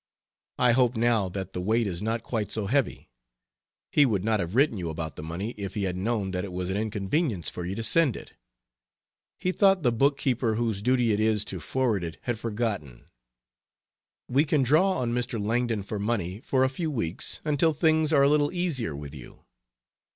I hope now that the weight is not quite so heavy. He would not have written you about the money if he had known that it was an inconvenience for you to send it. He thought the book keeper whose duty it is to forward it had forgotten. We can draw on Mr. Langdon for money for a few weeks until things are a little easier with you.